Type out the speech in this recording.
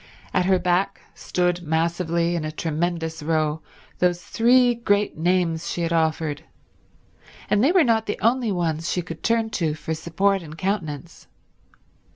At her back stood massively in a tremendous row those three great names she had offered, and they were not the only ones she could turn to for support and countenance.